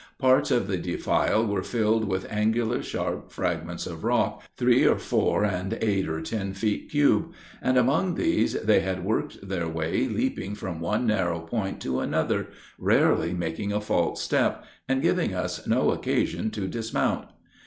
Parts of the defile were filled with angular, sharp fragments of rock, three or four and eight or ten feet cube; and among these they had worked their way leaping from one narrow point to another, rarely making a false step, and giving us no occasion to dismount.